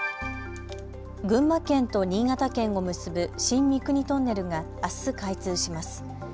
群馬県と新潟県を結ぶ新三国トンネルがあす開通します。